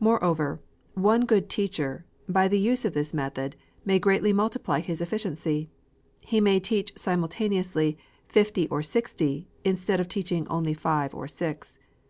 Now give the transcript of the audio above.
Moreover, one good teacher, by the use of this method, may greatly multiply his efficiency. He may teach simultaneously fifty or sixty, instead of teaching only five or six.